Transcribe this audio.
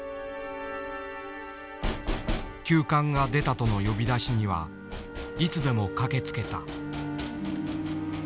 急患が出たとの呼び出しにはいつでも駆けつけた。